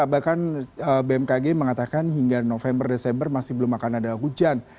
bahkan bmkg mengatakan hingga november desember masih belum akan ada hujan